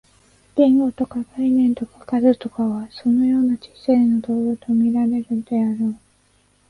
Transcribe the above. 言語とか概念とか数とかは、そのような知性の道具と見られるであろう。